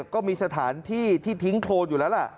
ก็มีสถานที่ที่ทิ้งโครนอยู่แล้วล่ะ